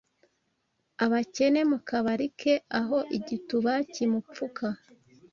Abakene mu kabari ke aho igituba kimupfuka